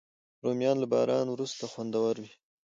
رومیان له باران وروسته خوندور وي